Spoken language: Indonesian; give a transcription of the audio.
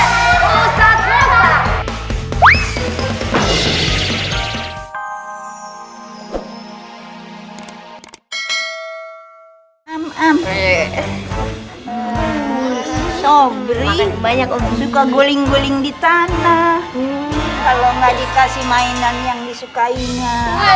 sobring banyak suka goling goling di tanah kalau nggak dikasih mainan yang disukainya